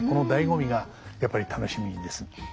この醍醐味がやっぱり楽しみですね。